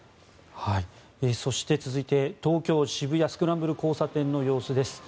そして続いて東京渋谷・スクランブル交差点の様子です。